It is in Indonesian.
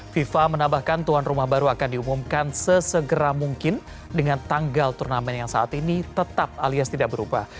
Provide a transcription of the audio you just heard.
fifa menambahkan tuan rumah baru akan diumumkan sesegera mungkin dengan tanggal turnamen yang saat ini tetap alias tidak berubah